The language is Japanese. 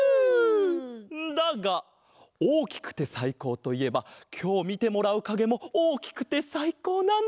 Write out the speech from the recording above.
だがおおきくてさいこうといえばきょうみてもらうかげもおおきくてさいこうなんだ！